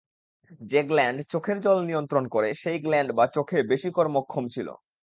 যে-ফ্ল্যাণ্ড চোখের জল নিয়ন্ত্রণ করে, সেই গ্ল্যাণ্ড বা চোখে বেশি কর্মক্ষম ছিল।